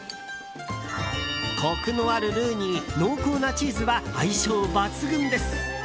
コクのあるルーに濃厚なチーズは相性抜群です。